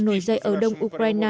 nổi dậy ở đông ukraine